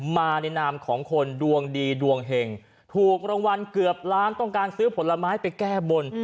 มาในนามของคนดวงดีดวงเห็งถูกรางวัลเกือบล้านต้องการซื้อผลไม้ไปแก้บน